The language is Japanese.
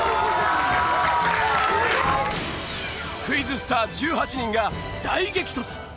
クイズスター１８人が大激突！